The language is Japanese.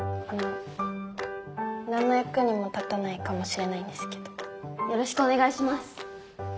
あの何の役にも立たないかもしれないんですけどよろしくお願いします